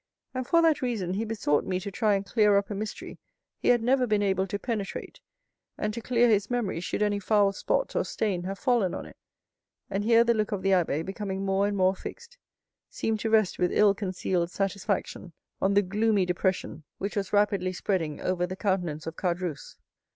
"And for that reason, he besought me to try and clear up a mystery he had never been able to penetrate, and to clear his memory should any foul spot or stain have fallen on it." And here the look of the abbé, becoming more and more fixed, seemed to rest with ill concealed satisfaction on the gloomy depression which was rapidly spreading over the countenance of Caderousse.